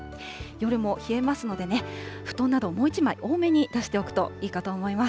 夜も冷えますのでね、布団などもう１枚多めに出しておくといいかと思います。